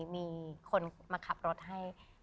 มีคนมาขับรถให้